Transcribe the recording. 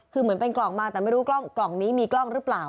คือเหมือนเป็นกล่องมาแต่ไม่รู้กล่องนี้มีกล้องหรือเปล่า